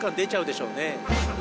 でしょうね